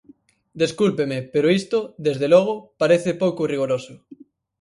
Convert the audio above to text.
Descúlpeme, pero isto, desde logo, parece pouco rigoroso.